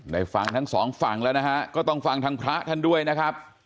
ได้ฟังทั้งสองฝั่งแล้วนะฮะก็ต้องฟังทางพระท่านด้วยนะครับ